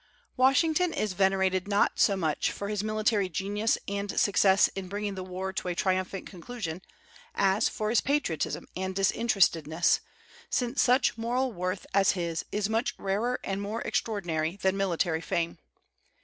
Washington is venerated not so much for his military genius and success in bringing the war to a triumphant conclusion, as for his patriotism and disinterestedness, since such moral worth as his is much rarer and more extraordinary than military fame.